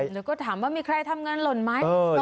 หรือก็ถามว่ามีใครทำเงินหล่นไหมตรงนั้น